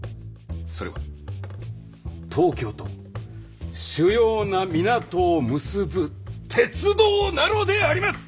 それは東京と主要な港を結ぶ鉄道なのであります！